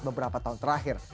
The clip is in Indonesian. beberapa tahun terakhir